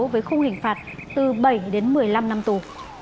với khung hình phạt từ bảy đến một mươi năm năm tù